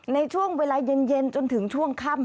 ในช่วงเวลาเย็นจนถึงช่วงค่ำ